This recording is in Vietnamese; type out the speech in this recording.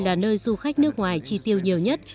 là nơi du khách nước ngoài chi tiêu nhiều nhất